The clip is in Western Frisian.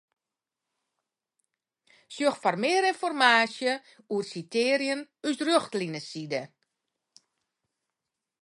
Sjoch foar mear ynformaasje oer sitearjen ús Rjochtlineside.